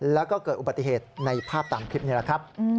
แล้วก็เกิดอุบัติเหตุในภาพตามคลิปนี้แหละครับ